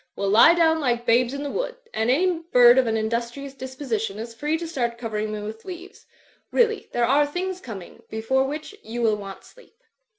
We'll lie down like Babes in the Wood, and any bird of an industrious disposition is free to start covering me with leaves. Really, there are things coming, before which you will want sleep."'